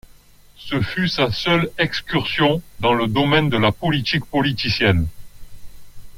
Ce fut sa seule excursion dans le domaine de la politique politicienne.